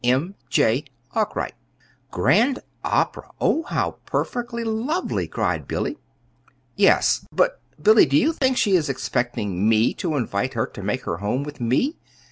"M. J. ARKWRIGHT." "Grand Opera! Oh, how perfectly lovely," cried Billy. "Yes, but Billy, do you think she is expecting me to invite her to make her home with me?